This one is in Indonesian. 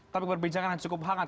tapi perbincangan cukup hangat